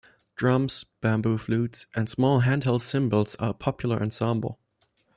Drums, bamboo flutes and small hand-held cymbals are a popular ensemble.